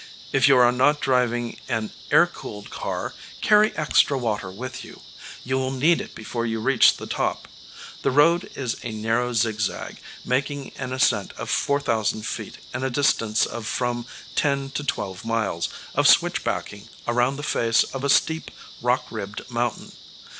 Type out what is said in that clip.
If you are not driving an air cooled car, carry extra water with you. You will need it before you reach the top. The road is a narrow zigzag, making an ascent of 4000 feet in a distance of from ten to twelve miles of switch backing around the face of a steep rock ribbed mountain.